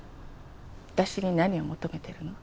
私に何を求めてるの？